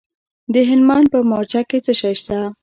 د هلمند په مارجه کې څه شی شته؟